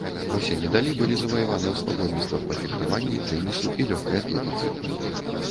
Усе медалі былі заваяваны ў спаборніцтвах па фехтаванні, тэнісу і лёгкай атлетыцы.